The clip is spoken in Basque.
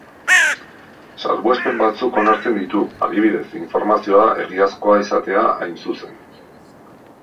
Salbuespen batzuk onartzen ditu, adibidez, informazioa egiazkoa izatea hain zuzen.